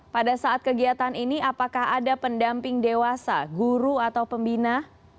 pada saat kegiatan ini apakah ada pendamping dewasa guru atau pembina